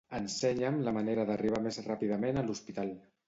Ensenya'm la manera d'arribar més ràpidament a l'hospital.